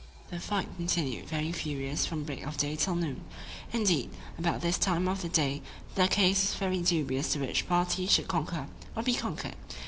The fight continued very furious from break of day till noon; indeed, about this time of the day the case was very dubious which party should conquer, or be conquered.